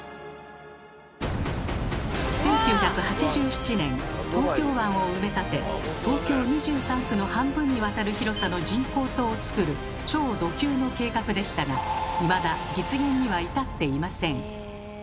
１９８７年東京湾を埋め立て東京２３区の半分にあたる広さの人工島をつくる「超ド級」の計画でしたがいまだ実現には至っていません。